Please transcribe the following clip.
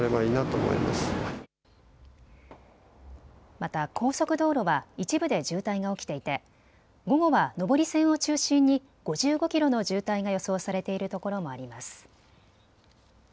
また高速道路は一部で渋滞が起きていて午後は上り線を中心に５５キロの渋滞が予想されているところもあります。